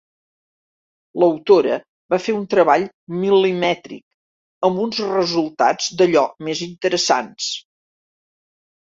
L'autora va fer un treball mil·limètric i amb uns resultats d'allò més interessants.